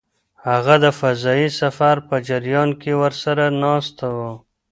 هغه د فضايي سفر په جریان کې ورسره ناست و.